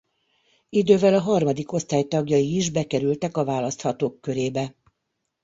Idővel a harmadik osztály tagjai is bekerültek a választhatók körébe.